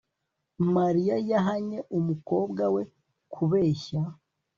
mariya yahannye umukobwa we kubeshya